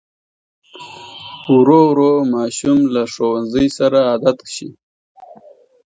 ورو ورو ماشوم له ښوونځي سره عادت شي.